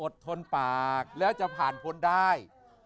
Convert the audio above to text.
ทนปากแล้วจะผ่านพ้นได้